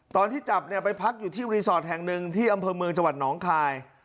ตอนที่จับเนี่ยไปพักอยู่ที่รีสอร์ทแห่งหนึ่งที่อำเภอเมืองจังหวัดหนองคาย